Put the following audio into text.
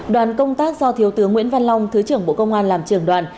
đoàn công tác do thiếu tướng nguyễn văn long thứ trưởng bộ công an làm trưởng đoàn